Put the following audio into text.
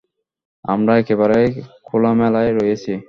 আমরা একেবারে খোলামেলায় রয়েছি।